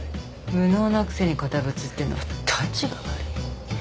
無能なくせに堅物ってのはたちが悪い。